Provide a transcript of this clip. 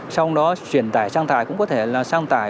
sau đó chuyển tải sang tải cũng có thể là sang tải